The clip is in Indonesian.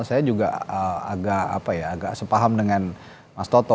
saya juga agak sepaham dengan mas toto